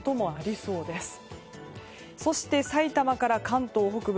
そして、さいたまから関東北部。